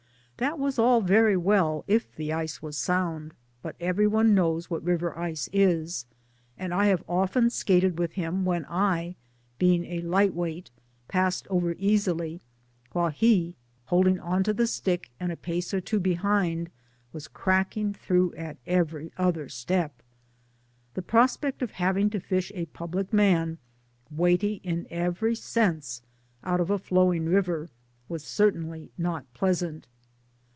That was all very well if the ice was sound, but every one knows what river ice is ; and I have often skated with him when I, being a light weight, passed over easily, while he, holding on to the stick and a pace or two behind, was crack ing through at every other step. The prospect of having to fish a public man, weighty in every sense, PERSONALITIES 215 out of a flowing] river was certainly not pleasant.